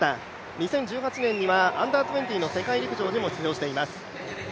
２０１８年にはＵ−２０の世界陸上にも出場しています。